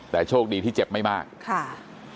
แต่โชคดีที่เจ็บไม่มากค่ะ